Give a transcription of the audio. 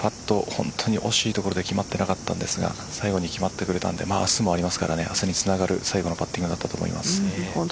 本当に惜しいところで決まっていなかったんですが最後に決まってくれたので明日もありますので明日につながるパットだったと思います。